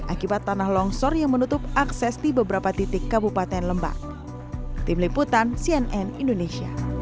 akibat tanah longsor yang menutup akses di beberapa titik kabupaten lembang